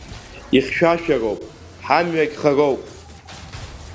Ихьшәашәароуп, ҳамҩагь хароуп.